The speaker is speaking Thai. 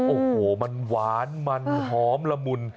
โอ้โหมันหวานมันหอมละมุน